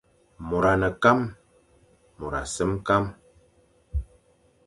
Môr a ne kam, môr a sem kam,